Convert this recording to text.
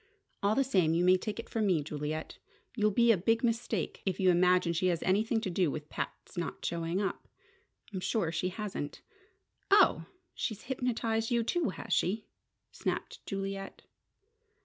All the same you may take it from me, Juliet, you'll make a big mistake if you imagine she has anything to do with Pat's not showing up. I'm sure she hasn't." "Oh! She's hypnotized you, too, has she?" snapped Juliet.